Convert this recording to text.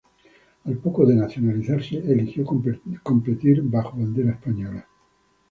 Al poco de nacionalizarse eligió competir bajo bandera española.